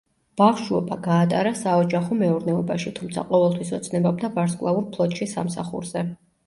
ბავშვობა გაატარა საოჯახო მეურნეობაში, თუმცა ყოველთვის ოცნებობდა ვარსკვლავურ ფლოტში სამსახურზე.